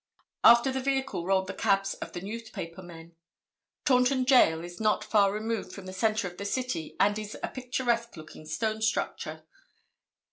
After the vehicle rolled the cabs of the newspaper men. Taunton Jail is not far removed from the centre of the city and is a picturesque looking stone structure.